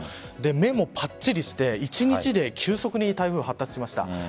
目もパッチリして一日で急速に台風が発達しました。